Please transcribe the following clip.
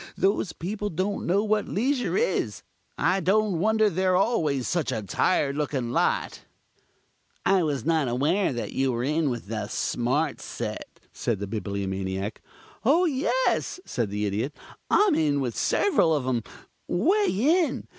Those people don't know what leisure is. I don't wonder they're always such a tired looking lot." "I was not aware that you were in with the smart set," said the Bibliomaniac. "Oh yes," said the Idiot. "I'm in with several of 'em way in.